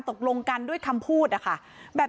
ทนายเกิดผลครับ